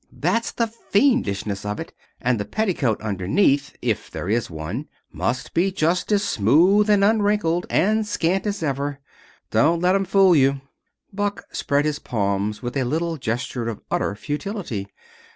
That's the fiendishness of it. And the petticoat underneath if there is one must be just as smooth, and unwrinkled, and scant as ever. Don't let 'em fool you." Buck spread his palms with a little gesture of utter futility.